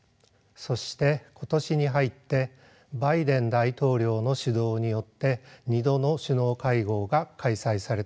そして今年に入ってバイデン大統領の主導によって２度の首脳会合が開催されたのです。